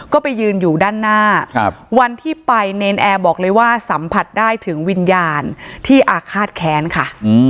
ก็ไปยืนอยู่ด้านหน้าวันที่ไปเนรนแอร์บอกเลยว่าสัมผัสได้ถึงวิญญาณที่อาฆาตแค้นค่ะ